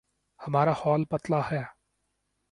ہمارا حال پتلا ہے۔